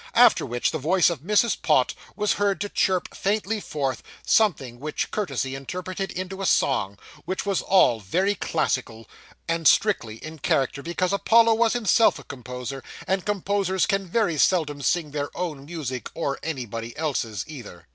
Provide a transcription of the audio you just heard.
After which, the voice of Mrs. Pott was heard to chirp faintly forth, something which courtesy interpreted into a song, which was all very classical, and strictly in character, because Apollo was himself a composer, and composers can very seldom sing their own music or anybody else's, either.